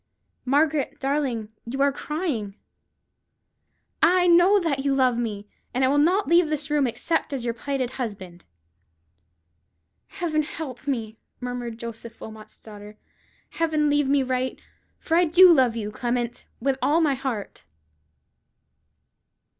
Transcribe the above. "Margaret darling, you are crying. Ah! I know now that you love me, and I will not leave this room except as your plighted husband." "Heaven help me!" murmured Joseph Wilmot's daughter; "Heaven lead me right! for I do love you, Clement, with all my heart."